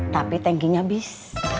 tapi tankinya bis